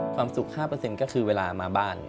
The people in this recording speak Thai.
ความสุข๕ก็คือเวลามาบ้าน